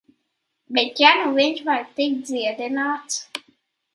Bet ja nu viņš var tikt dziedināts...